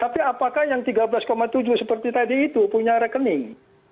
tapi apakah yang tiga belas tujuh seperti tadi itu punya rekening